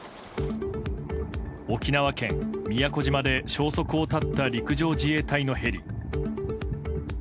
沖縄県宮古島で消息を絶った陸上自衛隊のヘリ。